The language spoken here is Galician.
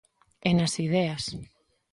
E nas ideas.